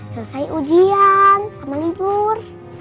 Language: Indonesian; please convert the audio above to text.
selesai ujian sama libur